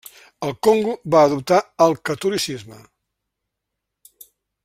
El Congo va adoptar el catolicisme.